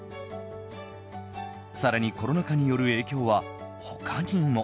更に、コロナ禍による影響は他にも。